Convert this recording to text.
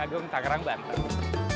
dan makan si enak ini